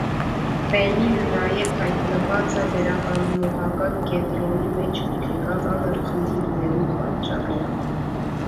Տէմին նաեւ յայտնուած է վերականգնողական կեդրոնի մէջ հոգեկան ծանր խնդիրներու պատճառով։